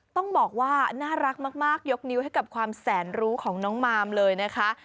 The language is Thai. ต้องบอกว่าน่ารักมากยกนิ้วให้กับความแสนรู้ของน้องมามเลยนะคะ